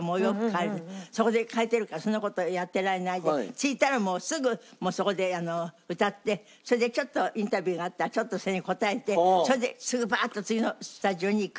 そこで替えてるからそんな事やってられないで着いたらすぐそこで歌ってそれでちょっとインタビューがあったらちょっとそれに答えてそれですぐバーッと次のスタジオに行くって。